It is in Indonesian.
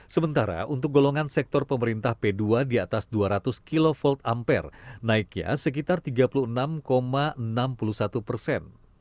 sementara untuk golongan sektor pemerintah p dua di atas dua ratus kv ampere naiknya sekitar tiga puluh enam enam puluh satu persen